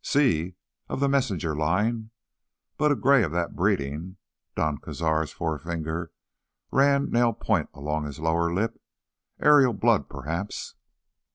"Sí, of the Messenger line. But a gray of that breeding—" Don Cazar's forefinger ran nail point along his lower lip. "Ariel blood, perhaps?"